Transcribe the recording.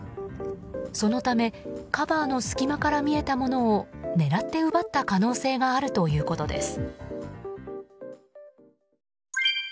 そのためカバーの隙間から見えたものを狙って奪った可能性があるということです。